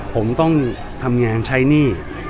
ผมต้องทำงานใช้หนี้